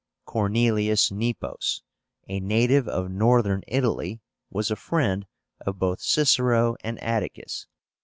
CORNELIUS NEPOS, a native of Northern Italy, was a friend of both Cicero and Atticus.